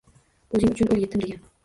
Oʻzing uchun oʻl yetim degan.